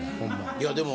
いやでも。